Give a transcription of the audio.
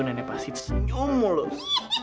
nenek pasti senyum loh